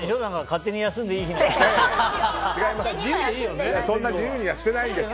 勝手には休んでない。